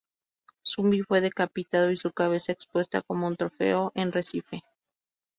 Zumbi fue decapitado y su cabeza expuesta como un trofeo en Recife.